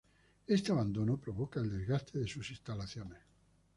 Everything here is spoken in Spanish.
Este abandono provoca el desgaste de sus instalaciones.